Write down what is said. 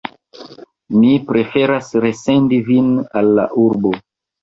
Mi preferas resendi vin al la urbo.